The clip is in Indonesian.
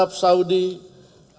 dan beri perhatian kepada pihak pihak